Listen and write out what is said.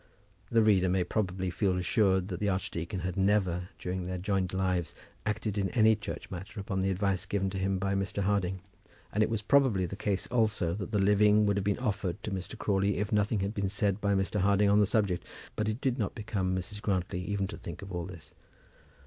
The reader may probably feel assured that the archdeacon had never, during their joint lives, acted in any church matter upon the advice given to him by Mr. Harding; and it was probably the case also that the living would have been offered to Mr. Crawley, if nothing had been said by Mr. Harding on the subject; but it did not become Mrs. Grantly even to think of all this.